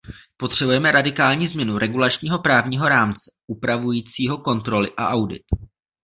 Potřebujeme radikální změnu regulačního právního rámce upravujícího kontroly a audit.